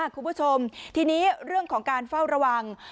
คุณผู้ชมทีนี้เรื่องของการเฝ้าระวัง